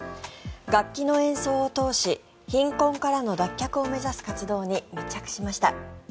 楽器の演奏を通し貧困からの脱却を目指す活動に密着しました。